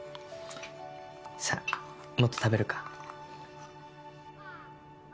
さぁもっと食べるか？